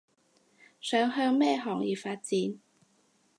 想向咩行業發展